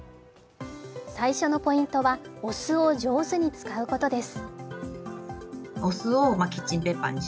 最初のポイントはお酢を上手に使うことです。